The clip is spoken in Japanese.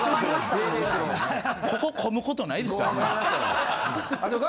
ここ混むことないですから。